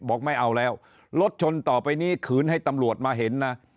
บอกไม่เอาแล้วรถชนต่อไปนี้ขืนให้ตำรวจมาเห็นนะ